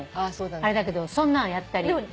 あれだけどそんなんやったり。